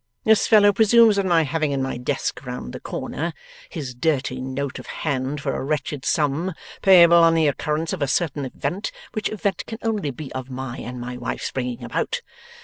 This fellow presumes on my having in my desk round the corner, his dirty note of hand for a wretched sum payable on the occurrence of a certain event, which event can only be of my and my wife's bringing about!